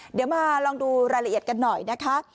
เดี๋ยวมาลองดูรายละเอียดกันหน่อยนะคะ